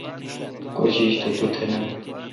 کوشش تو تھ نا۔